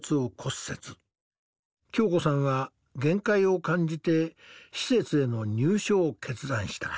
恭子さんは限界を感じて施設への入所を決断した。